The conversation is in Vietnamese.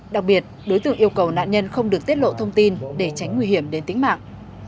đặc biệt đối tượng yêu cầu nạn nhân không được tiết lộ thông tin để tránh nguy hiểm đến tính mạng